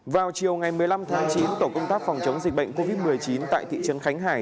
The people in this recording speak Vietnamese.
vào chiều ngày một mươi năm tháng chín tổ công tác phòng chống dịch bệnh covid một mươi chín tại thị trấn khánh hải